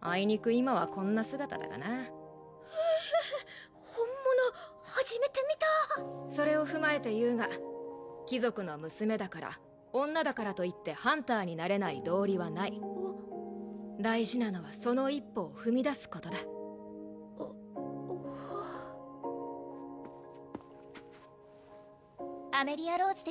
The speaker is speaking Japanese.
あいにく今はこんな姿だがなええ本物初めて見たそれを踏まえて言うが貴族の娘だから女だからといってハンターになれない道理はない大事なのはその一歩を踏み出すことだアメリア＝ローズです